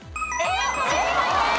正解です。